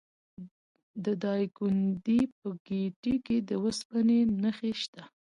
د دایکنډي په ګیتي کې د وسپنې نښې شته.